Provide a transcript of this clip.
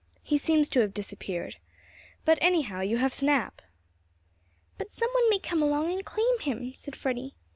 He seems to have disappeared. But, anyhow, you have Snap." "But some one may come along and claim him," said Freddie.